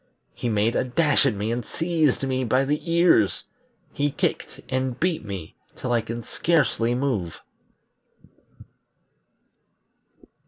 He made a dash at me and seized me by the ears; he kicked and beat me till I can scarcely move."